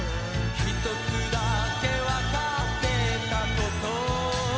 「ひとつだけ解ってたこと」